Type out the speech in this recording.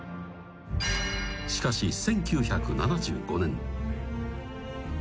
［しかし１９７５年］